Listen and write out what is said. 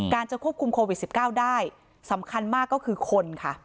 การจะควบคุมโควิด๑๙สำคัญมากก็คือคน